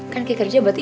kan kei kerja buat ibu